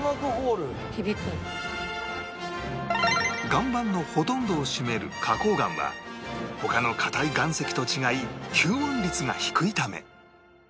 岩盤のほとんどを占める花崗岩は他の硬い岩石と違い吸音率が低いため